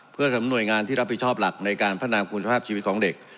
เพื่อสำหน่วยงานที่รับผิดชอบหลักในการพัฒนาคุณภาพชีวิตของเด็ก